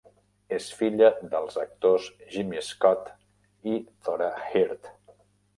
És filla dels actors Jimmy Scott i Thora Hird.